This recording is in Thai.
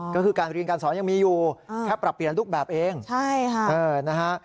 ก็คือการเรียนการสอนยังมีอยู่แค่ปรับเปลี่ยนรูปแบบเองใช่ค่ะนะฮะ